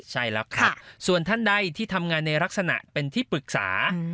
ใช่แล้วครับส่วนท่านใดที่ทำงานในลักษณะเป็นที่ปรึกษา